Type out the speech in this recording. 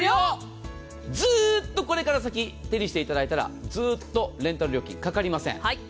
ずっとこれから先手にしていただいたらずっとレンタル料金かかりません。